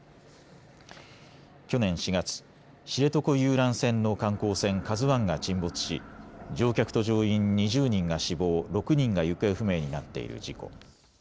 去年４月、知床遊覧船の観光船、ＫＡＺＵＩが沈没し乗客と乗員２０人が死亡、６人が行方不明になっている事故。